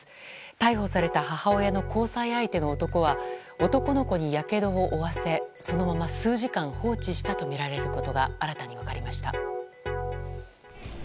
逮捕された母親の交際相手の男は男の子にやけどを負わせそのまま数時間放置したとみられることが新たに分かりました。